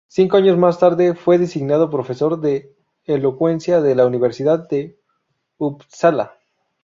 Cinco años más tarde fue designado profesor de Elocuencia de la Universidad de Upsala.